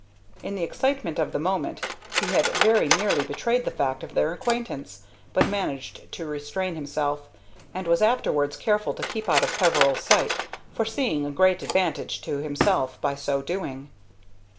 In the excitement of the moment he had very nearly betrayed the fact of their acquaintance, but managed to restrain himself, and was afterwards careful to keep out of Peveril's sight, foreseeing a great advantage to himself by so doing.